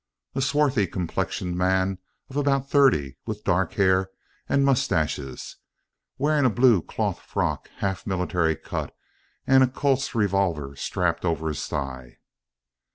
"A swarthy complexioned man, of about thirty, with dark hair and moustaches; wearing a blue cloth frock, half military cut, and a Colt's revolver strapped over his thigh?"